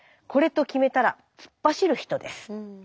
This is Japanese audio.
これと決めたら突っ走る人です。